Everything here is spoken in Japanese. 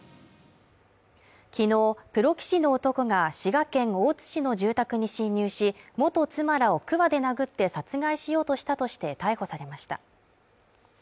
昨日元プロ棋士の男が滋賀県大津市の住宅に侵入し、元妻らをくわで殴って殺害しようとしたとして逮捕されました。